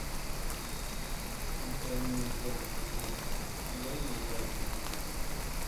Ŋkɛn ni dyam abum, nlóŋ ni dyam abum.